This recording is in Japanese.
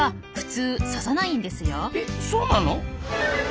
そうなの？